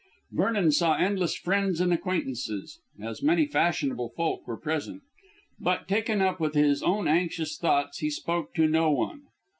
] Vernon saw endless friends and acquaintances, as many fashionable folk were present, but, taken up with his own anxious thoughts, he spoke to no one.